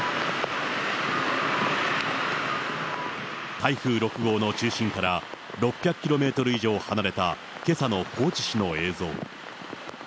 台風６号の中心から６００キロメートル以上離れたけさの高知市の映像。